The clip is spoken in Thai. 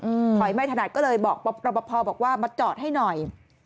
ถอยไม่ถนัดก็เลยบอกรอปภบอกว่ามาจอดให้หน่อย